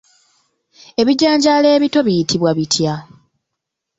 Ebijanjaalo ebito biyitibwa bitya?